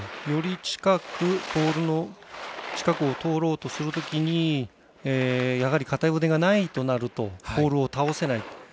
より近く、ポールの近くを通ろうとするときにやはり片腕がないとなるとポールを倒せない。